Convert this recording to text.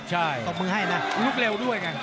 ใช่ลุกเร็วด้วยกัน